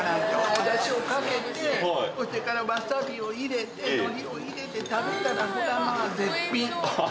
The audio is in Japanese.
おだしをかけて、それからワサビを入れて、のりを入れて食べたら、ほらまあ、絶品。